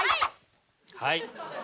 はい！